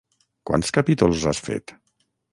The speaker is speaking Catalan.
Quants capítols has fet?